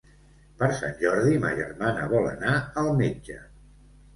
Per Sant Jordi ma germana vol anar al metge.